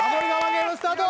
ゲームスタート